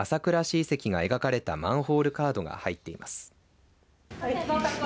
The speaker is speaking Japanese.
遺跡が描かれたマンホールカードが入っています。